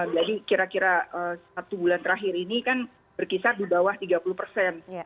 jadi kira kira satu bulan terakhir ini kan berkisar di bawah tiga puluh persen